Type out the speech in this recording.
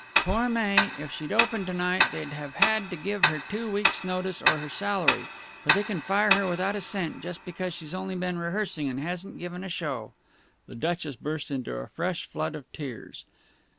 "Poor Mae, if she'd opened to night, they'd have had to give her two weeks' notice or her salary. But they can fire her without a cent just because she's only been rehearsing and hasn't given a show!" The Duchess burst into fresh flood of tears.